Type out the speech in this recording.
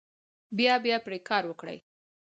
بیا بیا پرې کار وکړئ.